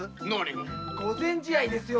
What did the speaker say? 御前試合ですよ。